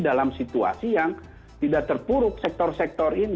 dalam situasi yang tidak terpuruk sektor sektor ini